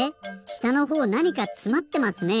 したのほうなにかつまってますね？